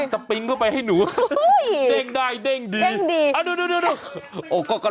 สวัสดีค่ะ